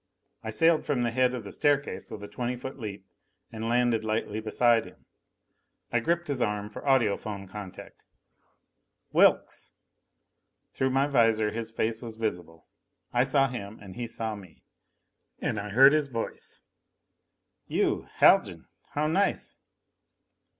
I sailed from the head of the staircase with a twenty foot leap and landed lightly beside him. I gripped his arm for audiphone contact. "Wilks!" Through my visor his face was visible. I saw him and he saw me. And I heard his voice: "You, Haljan. How nice!"